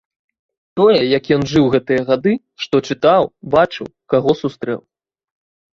Тое, як ён жыў гэтыя гады, што чытаў, бачыў, каго сустрэў.